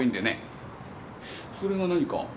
それが何か？